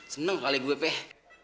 seneng kali gue peh